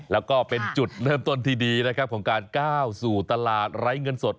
แล้วก็เป็นจุดเริ่มต้นที่ดีนะครับของการก้าวสู่ตลาดไร้เงินสด